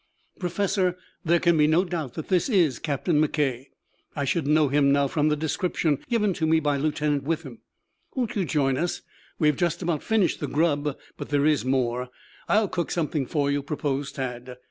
"Professor, there can be no doubt that this is Captain McKay. I should know him now from the description given to me by Lieutenant Withem. Won't you join us? We have just about finished the grub, but there is more. I'll cook something for you," proposed Tad.